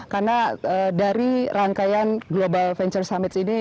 karena dari rangkaian global venture summit ini